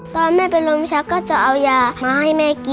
แม่เป็นลมชักก็จะเอายามาให้แม่กิน